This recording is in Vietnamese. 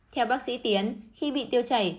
theo bác sĩ tiến khi bị tiêu chảy